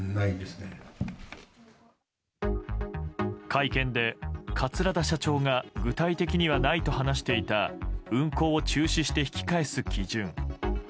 会見で桂田社長が具体的にはないと話していた運航を中止して引き返す基準。